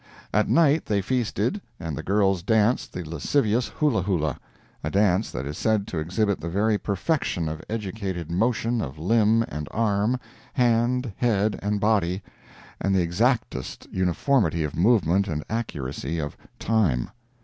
At night they feasted and the girls danced the lascivious hula hula—a dance that is said to exhibit the very perfection of educated motion of limb and arm, hand, head and body, and the exactest uniformity of movement and accuracy of "time."